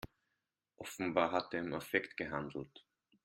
Offenbar hat er im Affekt gehandelt.